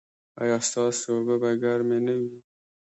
ایا ستاسو اوبه به ګرمې نه وي؟